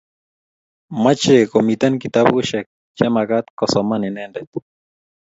mache komiten kitabushek chemagaat kosoman inendet